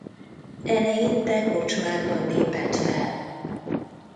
Eleinte kocsmákban lépett fel.